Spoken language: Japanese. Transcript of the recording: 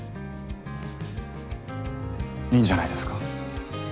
いいんじゃないですか？